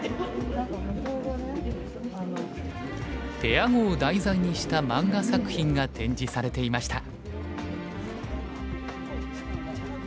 ペア碁を題材にした漫画作品が展示されていました。